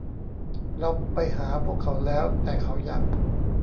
เราไปหาพวกเขาแล้ว แต่เขายัง